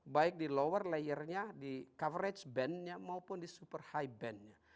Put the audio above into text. baik di lower layernya di coverage band nya maupun di super high band nya